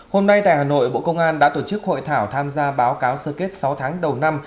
hôm nay tại hà nội bộ công an đã tổ chức hội thảo tham gia báo cáo sơ kết sáu tháng đầu năm